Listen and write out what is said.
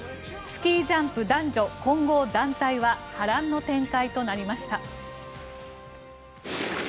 スキージャンプ男女混合団体は波乱の展開となりました。